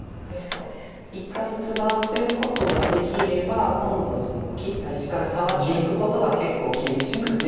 一回ツガせることができれば今度切った石からサガっていくことが結構厳しくて。